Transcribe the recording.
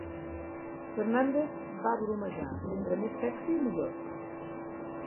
Fernandes va bromejar Mentre més sexy millor.